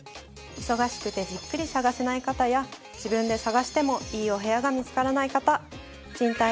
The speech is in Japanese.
忙しくてじっくり探せない方や自分で探しても良いお部屋が見つからない方ＣＨＩＮＴＡＩ